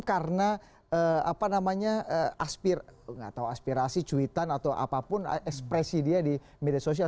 karena aspirasi cuitan atau apapun ekspresi dia di media sosial